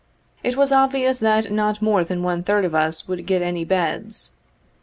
It was obvious that not more than one third of us would get any beds.